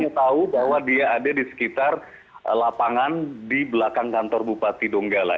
saya tahu bahwa dia ada di sekitar lapangan di belakang kantor bupati donggala